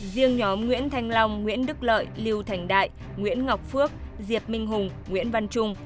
riêng nhóm nguyễn thanh long nguyễn đức lợi lưu thành đại nguyễn ngọc phước diệp minh hùng nguyễn văn trung